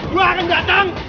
gue akan datang